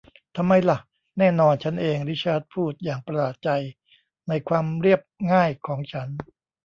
ทำไมหละ แน่นอน ฉันเอง ริชาร์ดพูดอย่างประหลาดใจในความเรียบง่ายของฉัน